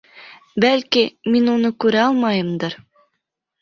Бәлки, мин уны күрә алмайымдыр.